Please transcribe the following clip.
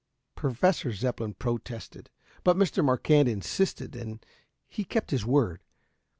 Professor Zepplin protested, but Mr. Marquand insisted, and he kept his word.